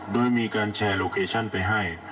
โดยมีการแชร์โลเคชั่นไปให้